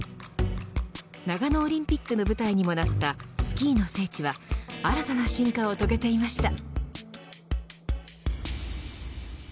長野オリンピックの舞台にもなったスキーの聖地は新たな進化を遂げていました。